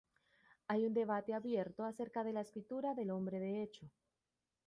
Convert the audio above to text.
Hay un debate abierto a cerca de la escritura del nombre de Hecho.